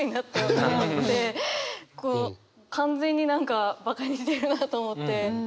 こう完全に何かバカにしてるなと思って。